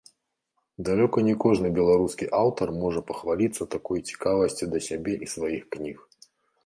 Далёка не кожны беларускі аўтар можна пахваліцца такой цікавасцю да сябе і сваіх кніг.